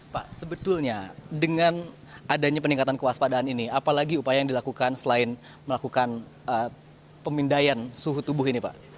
pak sebetulnya dengan adanya peningkatan kewaspadaan ini apalagi upaya yang dilakukan selain melakukan pemindaian suhu tubuh ini pak